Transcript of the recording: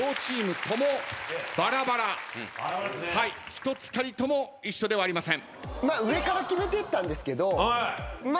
一つたりとも一緒ではありません。